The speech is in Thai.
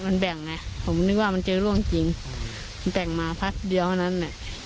มันแบ่งไงผมนึกว่ามันเจอร่วงจริงมันแบ่งมาพักเดียวเท่านั้นแหละ